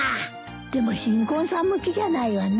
でも新婚さん向きじゃないわね。